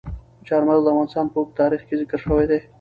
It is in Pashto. چار مغز د افغانستان په اوږده تاریخ کې ذکر شوی دی.